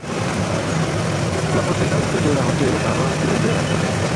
La posedanto de la hotelo parolas Esperanton.